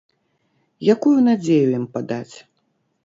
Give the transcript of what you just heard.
Якую надзею ім падаць?